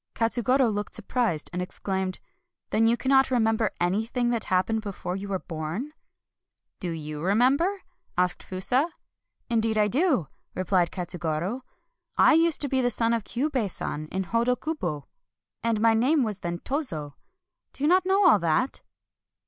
Katsugoro looked surprised and exclaimed :" Then you cannot remember anything that happened before you were born ?"" Do you remember ?" asked Fusa. " Indeed I do," replied Katsugoro. " I used to be the son of Kyubei San of Hodo kubo, and my name was then Tozo — do you not know all that